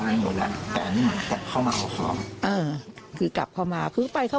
แล้วแต่นี่มันกลับเข้ามาเขาเออคือกลับเขามาคือไปเขา